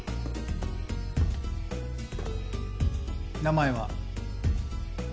名前は？